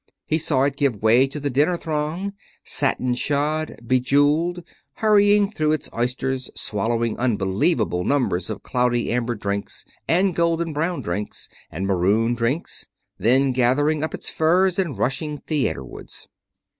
He saw it give way to the dinner throng, satin shod, bejeweled, hurrying through its oysters, swallowing unbelievable numbers of cloudy amber drinks, and golden brown drinks, and maroon drinks, then gathering up its furs and rushing theaterwards.